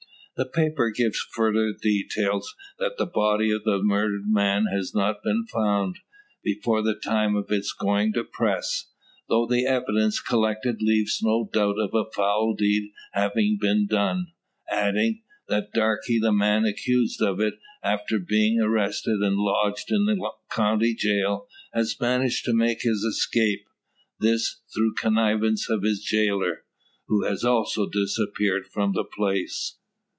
The paper gives further details: that the body of the murdered man has not been found, before the time of its going to press; though the evidence collected leaves no doubt of a foul deed having been done; adding, that Darke, the man accused of it, after being arrested and lodged in the county jail, has managed to make his escape this through connivance with his jailer, who has also disappeared from the place.